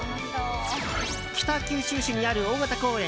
北九州市にある大型公園